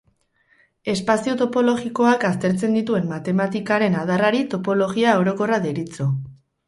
Espazio topologikoak aztertzen dituen matematikaren adarrari topologia orokorra deritzo.